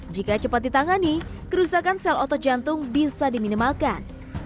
jika cepat ditangani kerusakan sel otot jantung bisa diminimalkan